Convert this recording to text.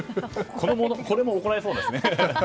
これも怒られそうですね。